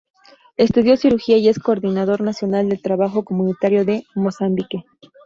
Estudió cirugía y es coordinador nacional del Trabajo comunitario de Mozambique.